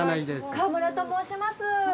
川村と申します。